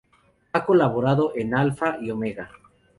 Ha colaborado en Alfa y Omega.